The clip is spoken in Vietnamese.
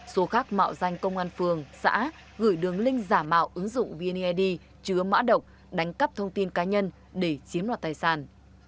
số khác mạo danh công an phường xã gửi đường link giả mạo ứng dụng vned chứa mã độc đánh cắp thông tin cá nhân để chiếm đoạt tài sản